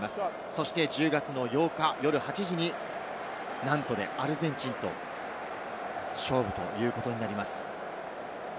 そして１０月の８日、夜８時にナントでアルゼンチンと勝負ということになります。